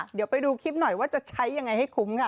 เดี๋ยวไปดูคลิปหน่อยว่าจะใช้ยังไงให้คุ้มค่ะ